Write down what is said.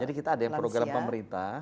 jadi kita ada yang program pemerintah